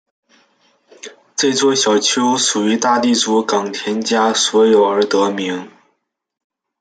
这座小丘属大地主冈田家所有而得名。